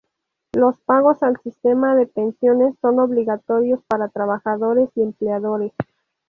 Los pagos al sistema de pensiones son obligatorios para trabajadores y empleadores.